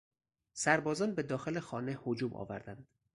سربازان به داخل خانه هجوم آوردند.